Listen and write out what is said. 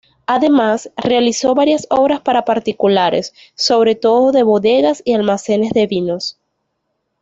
Además, realizó varias obras para particulares, sobre todo de bodegas y almacenes de vinos.